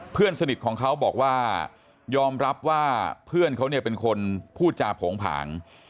เพื่อนสนิทของเขาบอกว่ายอมรับว่าเพื่อนเขาเนี่ยเป็นคนพูดจาโผงผาง